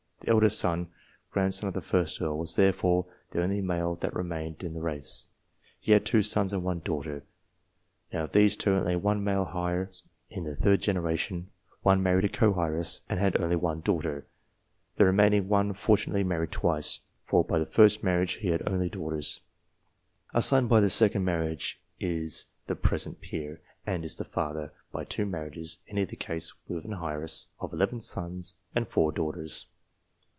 The eldest son (grandson of the 1st Earl) was therefore the only male that remained in the race. He had two sons and one daughter. Now, of these two, the only male heirs in the THEIR INFLUENCE UPON RACE 127 third generation, one married a co heiress, and had only one daughter. The remaining one fortunately married twice, for by the first marriage he had only daughters. A son by the second marriage is the present peer, and is the father, by two marriages in neither case with an heiress of eleven sons and four daughters.